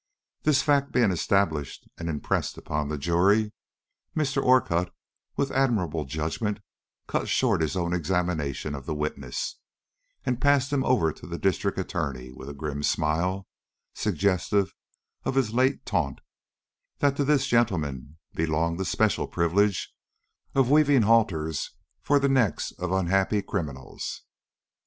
This fact being established and impressed upon the jury, Mr. Orcutt with admirable judgment cut short his own examination of the witness, and passed him over to the District Attorney, with a grim smile, suggestive of his late taunt, that to this gentleman belonged the special privilege of weaving halters for the necks of unhappy criminals.